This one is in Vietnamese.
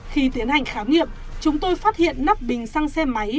khi tiến hành khám nghiệm chúng tôi phát hiện nắp bình xăng xe máy